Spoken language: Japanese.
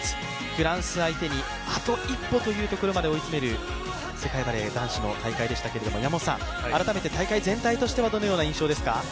フランス相手にあと一歩というところまで追い詰める世界バレー男子の大会でしたが、大会全体としてはどのような印象ですか。